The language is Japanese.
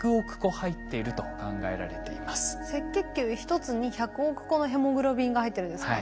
赤血球１つに１００億個のヘモグロビンが入ってるんですか？